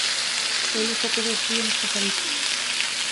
O Lugo quedou frío nos Pajaritos.